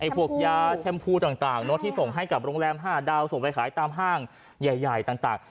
พวกยาแชมพูต่างที่ส่งให้กับโรงแรม๕ดาวส่งไปขายตามห้างใหญ่ต่าง